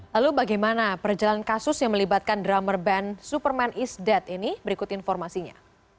lalu bagaimana perjalanan kasus yang melibatkan drummer band superman is dead ini berikut informasinya